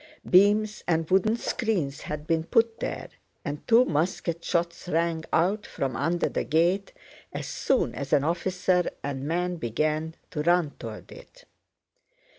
Beams and wooden screens had been put there, and two musket shots rang out from under the gate as soon as an officer and men began to run toward it.